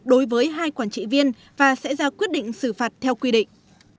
đối với hai quản trị viên và sẽ ra quyết định xử phạt theo quy định